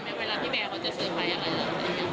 แล้วเวลาพี่แบร์เขาจะซื้อไฟอะไรอย่างไรจะได้มั้ย